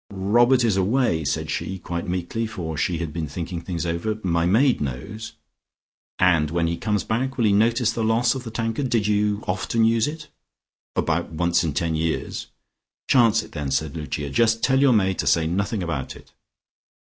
"Robert is away," said she, quite meekly, for she had been thinking things over. "My maid knows." "And when he comes back, will he notice the loss of the tankard? Did you often use it?" "About once in ten years." "Chance it, then," said Lucia. "Just tell your maid to say nothing about it."